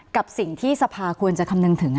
กับสิ่งที่สภาควรจะคำนึงถึง